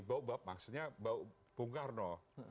bau bab maksudnya bau bung karno